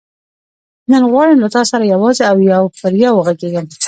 نن غواړم له تا سره یوازې او یو پر یو وغږېږم.